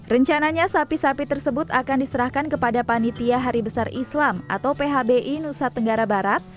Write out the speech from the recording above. rencananya sapi sapi tersebut akan diserahkan kepada panitia hari besar islam atau phbi nusa tenggara barat